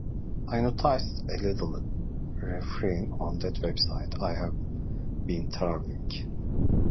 I noticed a little refrain on that website I’ve been trawling.